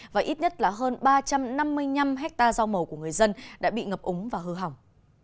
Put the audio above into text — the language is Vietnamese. và ít nhất là hơn ba trăm năm mươi năm hectare rau màu của người dân đã bị ngập úng và hư hỏng